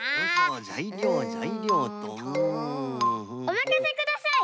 おまかせください！